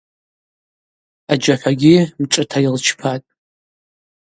Аджьахӏвагьи мшӏыта йылчпатӏ.